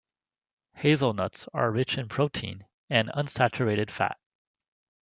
Hazelnuts are rich in protein and unsaturated fat.